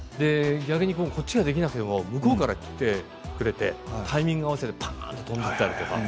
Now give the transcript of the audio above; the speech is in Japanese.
こちらができなくても向こうから来てくれてタイミングを合わせてパンと跳んでくれたり。